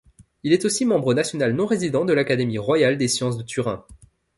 Il est aussi membre national non-résident de l'Académie royale des Sciences de Turin.